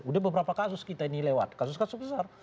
udah beberapa kasus kita ini lewat kasus kasus besar